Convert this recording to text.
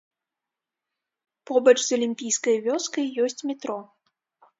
Побач з алімпійскай вёскай ёсць метро.